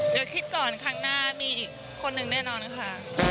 เดี๋ยวคิดก่อนครั้งหน้ามีอีกคนนึงแน่นอนค่ะ